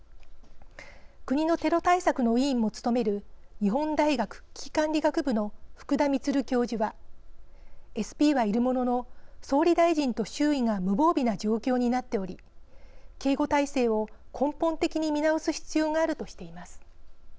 国のテロ対策の委員も務める日本大学危機管理学部の福田充教授はＳＰはいるものの総理大臣と周囲が無防備な状況になっており警護態勢を根本的に見直す必要があるとしています。